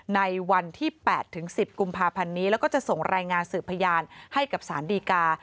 ในวันที่๘ถึง๑๐กุมภาพันธ์นี้แล้วก็จะส่งรายงานสืบพยานให้กับสารดีกา